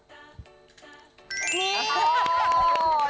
นี่